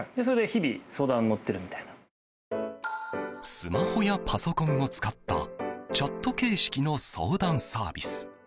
スマホやパソコンを使ったチャット形式の相談サービス。